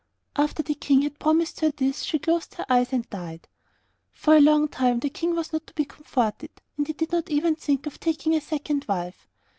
After the King had promised her this, she closed her eyes and died. For a long time the King was not to be comforted, and he did not even think of taking a second wife.